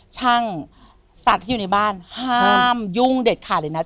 ช่างสัตว์ที่อยู่ในบ้านห้ามยุ่งเด็ดขาดเลยนะ